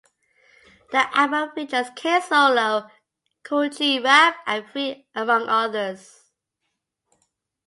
The album features K-Solo, Kool G Rap, and Free among others.